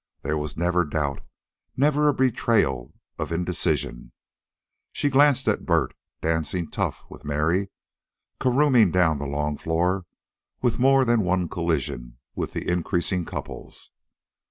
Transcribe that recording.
There was never doubt, never a betrayal of indecision. She glanced at Bert, dancing "tough" with Mary, caroming down the long floor with more than one collision with the increasing couples.